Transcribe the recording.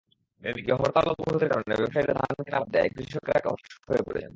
এদিকে হরতাল-অবরোধের কারণে ব্যবসায়ীরা ধান কেনা বাদ দেওয়ায় কৃষকেরা হতাশ হয়ে পড়েছেন।